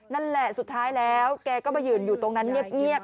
นั่นแหละสุดท้ายแล้วแกก็มายืนอยู่ตรงนั้นเงียบ